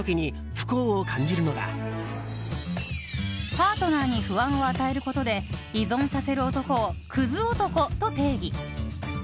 パートナーに不安を与えることで依存させる男をクズ男と定義。